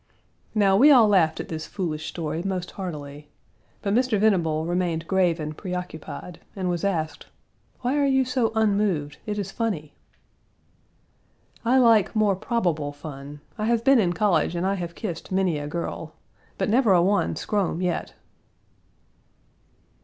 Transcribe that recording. Now, we all laughed at this foolish story most heartily. But Mr. Venable remained grave and preoccupied, and was asked: "Why are you so unmoved? It is funny." "I like more probable fun; I have been in college and I have kissed many a girl, but never a one scrome yet."